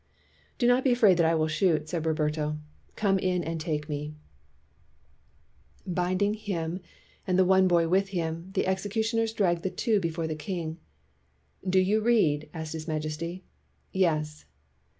i ' Do not be afraid that I will shoot, '' said Roberto, "come in and take me." 238 STURDY BLACK CHRISTIANS Binding him and the one boy with him, the executioners dragged the two before the king. "Do you read?" asked his majesty. "Yes."